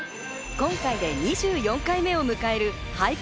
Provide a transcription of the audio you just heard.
今回で２４回目を迎える俳句